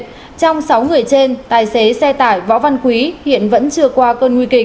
trong sáu người trên tài xế xe tải võ văn quý hiện vẫn chưa qua cơn nguy kịch